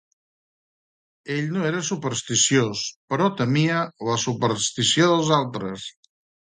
Ell no era supersticiós, però temia la superstició dels altres.